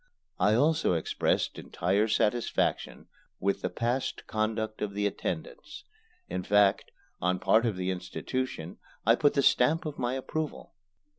I also expressed entire satisfaction with the past conduct of the attendants. In fact, on part of the institution I put the stamp of my approval.